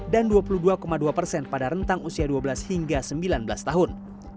dan dua puluh dua dua persen pada rentang usia dua belas hingga sembilan belas tahun